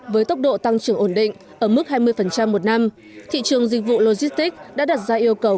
với tốc độ tăng trưởng ổn định ở mức hai mươi một năm thị trường dịch vụ logistics đã đặt ra yêu cầu